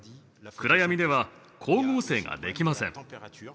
暗闇では光合成ができません。